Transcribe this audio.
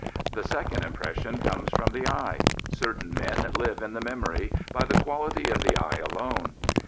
The second impression comes from the eye. Certain men live in the memory by the quality of the eye alone.